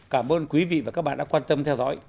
cảm ơn quý vị và các bạn đã quan tâm theo dõi